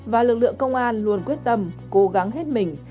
và lực lượng công an luôn quyết tâm cố gắng hết mình